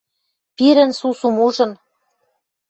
Пирӹн сусум ужын